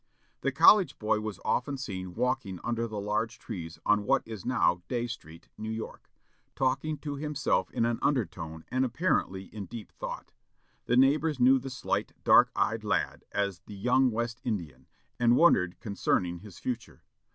The college boy was often seen walking under the large trees on what is now Dey Street, New York, talking to himself in an undertone, and apparently in deep thought. The neighbors knew the slight, dark eyed lad, as the "young West Indian," and wondered concerning his future.